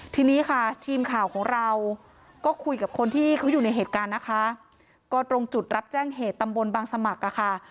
ทีนี้ค่ะทีมข่าวของเราก็คุยกับคนที่เขาอยู่ในเหตุการณ์นะคะก็ตรงจุดรับแจ้งเหตุตำบลบางสมัครอ่ะค่ะ